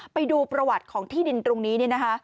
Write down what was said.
ไปดูประวัติของที่ดินตรงนี้เนี่ยนะคะ